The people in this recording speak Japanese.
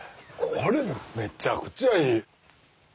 これめちゃくちゃいい！